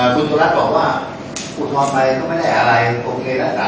ก็ในการหัวพรตสม่ำที่ไม่มีท่านรอดอีกต่อไป